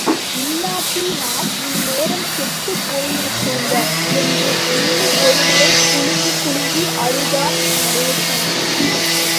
இல்லாட்டி நான் இந்நேரம் செத்துப் போயிருப்பேங்க, என்று இன்னும் ஒருமுறை குலுங்கிக் குலுங்கி அழுதார் நடேசன்.